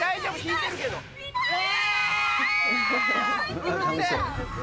うるせぇ！